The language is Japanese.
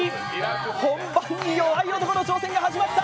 本番に弱い男の挑戦が始まった。